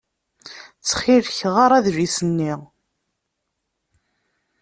Ttxil-k, ɣer adlis-nni.